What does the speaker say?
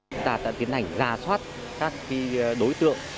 chúng ta đã tiến hành ra thoát các đối tượng